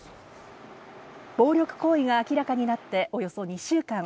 暴力行為が明らかになっておよそ２週間。